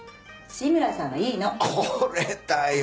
これだよ。